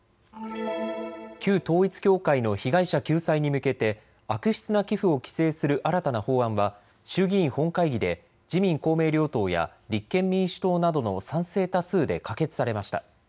旧統一教会の被害者救済に向けて悪質な寄付を規制する新たな法案は衆議院本会議で自民公明両党や立憲民主党などの賛成多数で可決されました。